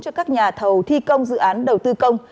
cho các nhà thầu thi công dự án đầu tư công